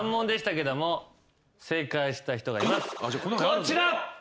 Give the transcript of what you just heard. こちら！